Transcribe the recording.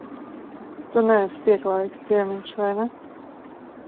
Tu neesi pieklājīgs ciemiņš, vai ne?